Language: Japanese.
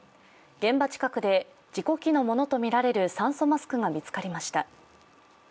現場近くで事故機のものとみられる酸素マスクが見つかりました。